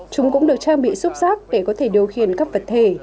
chúng cũng được trang bị xúc rác để có thể điều khiển các vật thể